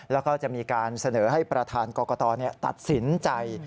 แล้วก็จะมีการเสนอให้ประธานกรกตตัดสินใจ